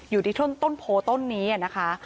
อยู่ที่ต้นโพต้นนี้นะคะ